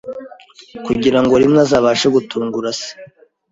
kugira ngo rimwe azabashe gutungura se